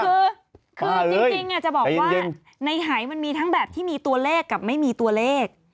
คือจริงจะบอกว่าในหายมันมีทั้งแบบที่มีตัวเลขกับไม่มีตัวเลข